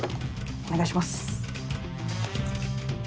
お願いします。